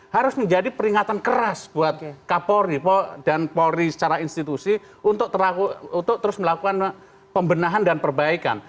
harus menjadi peringatan keras buat kapolri dan polri secara institusi untuk terus melakukan pembenahan dan perbaikan